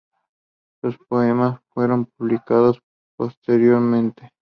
Sus poemas fueron publicados póstumamente.